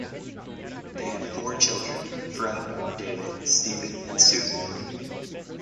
They had four children: Fred, David, Steven and Susan.